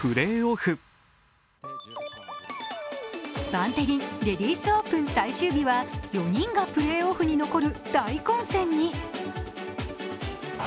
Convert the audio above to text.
バンテリンレディースオープン最終日は４人がプレーオフに残る大混戦に。